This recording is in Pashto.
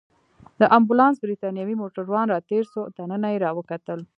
د امبولانس بریتانوی موټروان راتېر شو، دننه يې راوکتل.